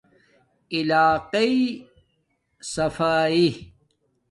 علاقایݷ صفایݵ